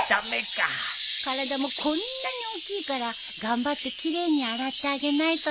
体もこんなに大きいから頑張って奇麗に洗ってあげないとね。